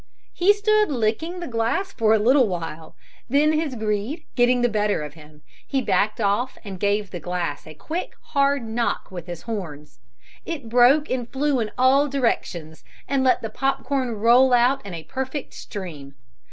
He stood licking the glass for a little while; then his greed getting the better of him, he backed off and gave the glass a quick hard knock with his horns. It broke and flew in all directions and let the pop corn roll out in a perfect stream.